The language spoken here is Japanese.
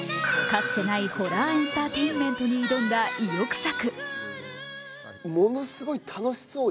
かつてないホラーエンターテインメントに挑んだ意欲作。